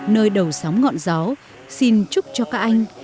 nơi đầu sóng ngọn gió xin chúc cho các anh